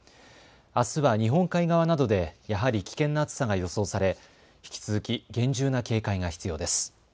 あすは日本海側などでやはり危険な暑さが予想され引き続き厳重な警戒が必要です。